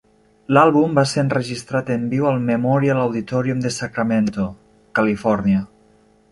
L'àlbum va ser enregistrat en viu al Memorial Auditorium de Sacramento, Califòrnia.